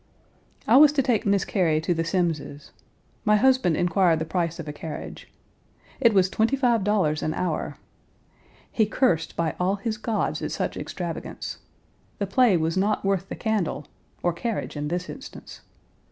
I was to take Miss Cary to the Semmes's. My husband inquired the price of a carriage. It was twenty five dollars an hour! He cursed by all his gods at such extravagance. The play was not worth the candle, or carriage, in this instance.